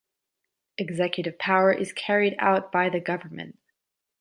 Executive power is carried out by the government.